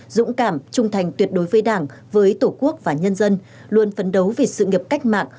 dũng cảm trung thành tuyệt đối với đảng với tổ quốc và nhân dân luôn phấn đấu vì sự nghiệp cách mạng